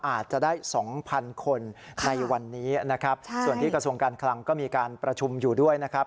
อาจจะได้สองพันคนในวันนี้นะครับส่วนที่กระทรวงการคลังก็มีการประชุมอยู่ด้วยนะครับ